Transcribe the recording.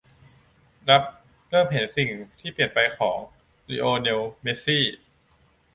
รับ เริ่มเห็นสิ่งที่เปลี่ยนไปของ ลิโอเนล เมสซี่